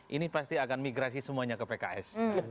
ini pasti akan migrasi semuanya ke pks